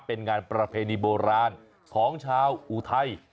เป็นงานประเพณีโบราณของชาวอุทัย